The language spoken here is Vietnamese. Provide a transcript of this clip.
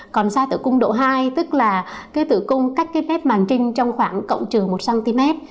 còn sa tử cung độ hai tức là cái tử cung cách cái mét màng trinh trong khoảng cộng trừ một cm